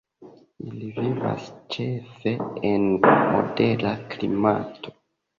Ili vivas ĉefe en modera klimato.